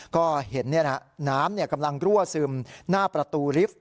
ก็เห็นน้ำกำลังรั่วซึมหน้าประตูลิฟท์